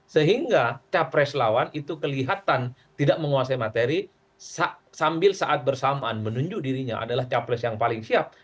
sehingga capres lawan itu kelihatan tidak menguasai materi sambil saat bersamaan menunjuk dirinya adalah capres yang paling siap